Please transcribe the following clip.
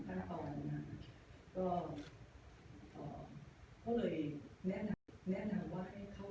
นะครับอยากต้องกินอ้อนน้ำมาก็อ่าเขาเลยแนะนำแนะนำว่าให้เข้า